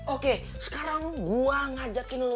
oke sekarang gue ngajakin lu lagi